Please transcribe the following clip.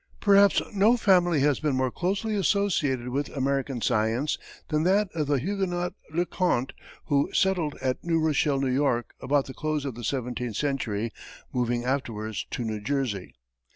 Perhaps no family has been more closely associated with American science than that of the Huguenot Le Conte, who settled at New Rochelle, New York, about the close of the seventeenth century, moving afterwards to New Jersey.